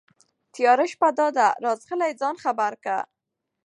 تياره شپه دا ده راځغلي ځان خبر كه